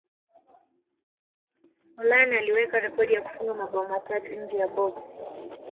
forlan aliweka rekodi ya kufunga mabao matatu nje ya boksi